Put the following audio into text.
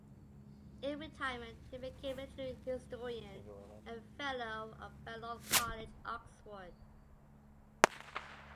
In retirement he became a military historian and fellow of Balliol College, Oxford.